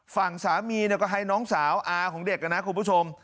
ฝั่งสามีก็ให้น้องสาวอาของเด็กนะคุณผู้ชม